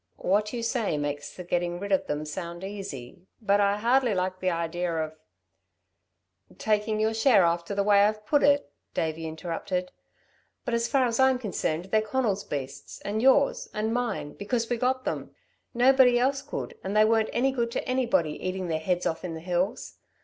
"What you say makes the getting rid of them sound easy, but I hardly like the idea of " "Taking your share, after the way I've put it?" Davey interrupted. "But as far as I'm concerned they're Conal's beasts, and your's and mine because we got them. Nobody else could, and they weren't any good to anybody eating their heads off in the hills.